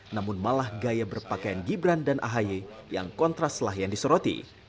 namun malah gaya berpakaian gibran dan ahae yang kontras lah yang diseroti